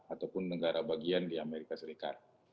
ataupun negara bagian di amerika serikat